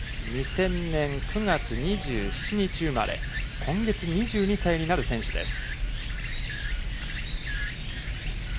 ２０００年９月２７日生まれ、今月２２歳になる選手です。